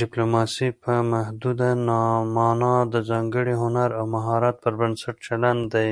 ډیپلوماسي په محدوده مانا د ځانګړي هنر او مهارت پر بنسټ چلند دی